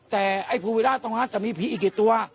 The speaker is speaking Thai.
แต่ไอ้ภูวิราชตรงนั้นจะมีผีอีกกี่ตัว